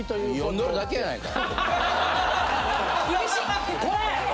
読んどるだけやないか！